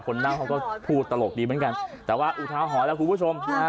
นั่งเขาก็พูดตลกดีเหมือนกันแต่ว่าอุทาหรณ์แล้วคุณผู้ชมฮะ